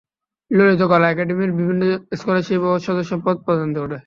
ললিত কলা একাডেমি বিভিন্ন স্কলারশিপ ও সদস্য পদ প্রদান করে।